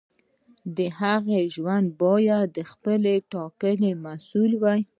د هغه ژوند باید د خپلې ټاکنې محصول وي.